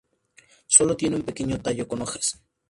Sólo tiene un pequeño tallo con hojas.